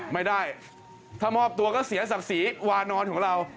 ไม่ได้ถ้ามอบตัวก็เสียศักดิ์ศรีวานอนของเรา